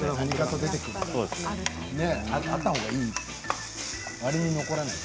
あったほうがいい。